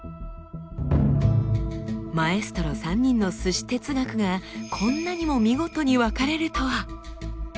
マエストロ３人の鮨哲学がこんなにも見事に分かれるとは！